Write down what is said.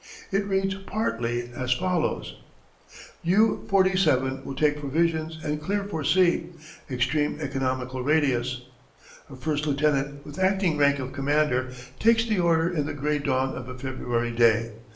It reads partly as follows: "U 47 will take provisions and clear for sea. Extreme economical radius." A first lieutenant, with acting rank of commander, takes the order in the grey dawn of a February day.